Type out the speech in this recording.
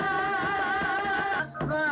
nah ini sudah hilang